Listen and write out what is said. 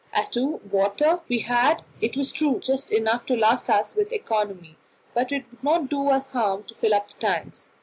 As to water, we had, it was true, just enough to last us with economy, but it would do no harm to fill up the tanks.